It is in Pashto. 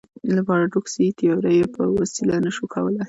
له پاراډوکسي تیوریو په وسیله نه شو کولای.